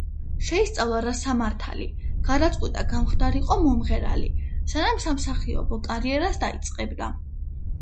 შეისწავლა რა სამართალი, გადაწყვიტა გამხდარიყო მომღერალი, სანამ სამსახიობო კარიერას დაიწყებდა.